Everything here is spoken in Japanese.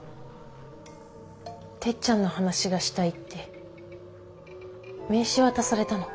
てっちゃんの話がしたいって名刺渡されたの。